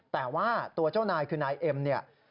แต่ว่าตัวเจ้านายคือนายเอ็มเนี่ย